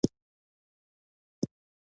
مېلمنو ته هرکلی وایه.